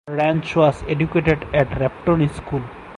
Wrench was educated at Repton School.